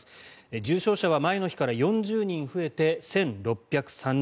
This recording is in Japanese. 重症者は前の日から４０人増えて１６０３人。